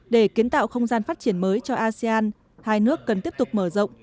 để kiến tạo không gian phát triển mới cho asean hai nước cần tiếp tục mở rộng